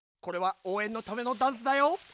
これはおうえんのためのダンスだよ。